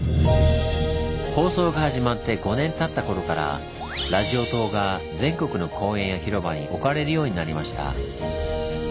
放送が始まって５年たった頃からラジオ塔が全国の公園や広場に置かれるようになりました。